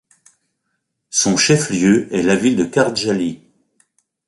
Son chef-lieu est la ville de Kardjali.